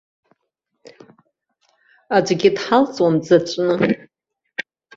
Аӡәгьы дҳалҵуам дзаҵәны.